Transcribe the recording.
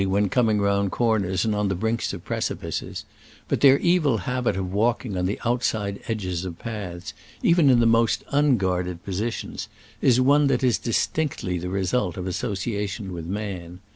II when coming round corners and on the brinks of precipices ; but their evil habit of walking on the outside edges of paths (even in the most unguarded positions) is one that is distinctly the result of as sociation with man.